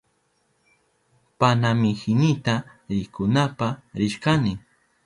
Panamihinita rikunapa rishkani.